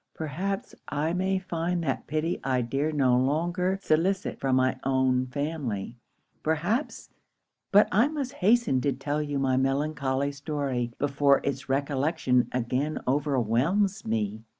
Perhaps I may find that pity I dare no longer solicit from my own family; perhaps but I must hasten to tell you my melancholy story, before its recollection again overwhelms me.